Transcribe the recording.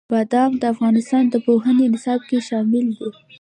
بادام د افغانستان د پوهنې نصاب کې شامل دي.